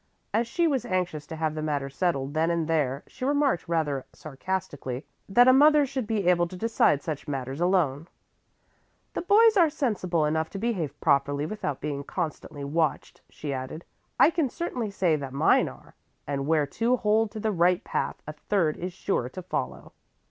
As she was anxious to have the matter settled then and there, she remarked rather sarcastically that a mother should be able to decide such matters alone. "The boys are sensible enough to behave properly without being constantly watched," she added. "I can certainly say that mine are, and where two hold to the right path, a third is sure to follow."